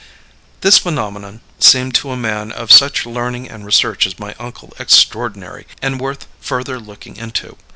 This phenomenon seemed to a man of such learning and research as my uncle extraordinary and worth further looking into.